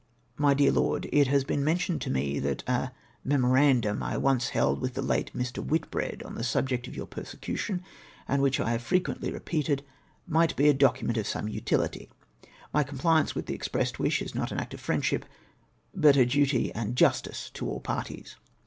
My dear Loraj, — It has been mentioned to me that a memorandum I once held with the late JMr. Wliitbread on the subject of your persecution, and which I have frequently repeated, might he a document of some utility ; my com pliance with the expressed wish is not an act of friendship, but of duty and justice to all parties.